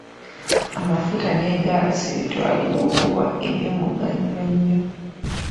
Amafuta ne gaasi bitwalibwa okuba eby'omuganyulo ennyo.